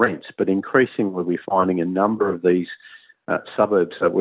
tapi lebih banyak kita menemukan beberapa suburb ini